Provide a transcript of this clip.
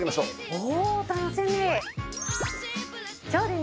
おお楽しみ。